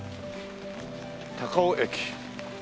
高尾駅。